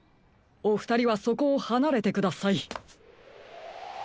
おふたりはそこをはなれてください！